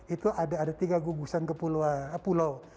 itu ada tiga gugusan pulau